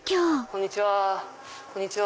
こんにちは。